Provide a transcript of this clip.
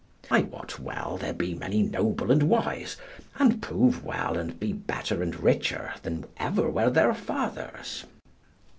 I wot well there be many noble and wise, and prove well and be better and richer than ever were their fathers.